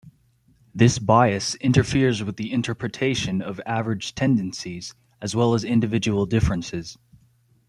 This bias interferes with the interpretation of average tendencies as well as individual differences.